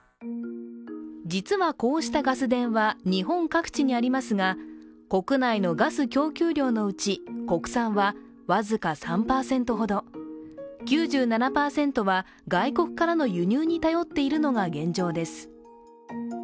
実はこうしたガス田は日本各地にありますが、国内のガス供給量のうち国産はわずか３％ほど９７％は外国からの輸入に頼っているのが現状です。